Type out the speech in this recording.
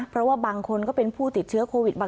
เพราะว่าบางคนก็เป็นผู้ติดเชื้อโควิดบาง